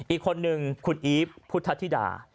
อีกคนนึงคุณอีฟพุทธธิดา